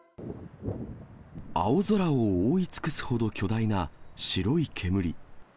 青空を覆い尽くすほど巨大な白い煙。